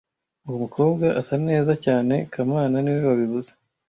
Uwo mukobwa asa neza cyane kamana niwe wabivuze